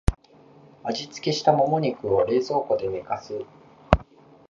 味付けしたモモ肉を冷蔵庫で寝かす